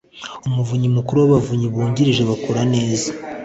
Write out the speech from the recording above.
umuvunyi mukuru n’abavunyi bungirije bakora neza